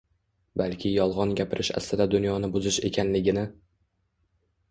Balki yolg‘on gapirish aslida dunyoni buzish ekanligini